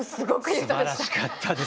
すばらしかったです。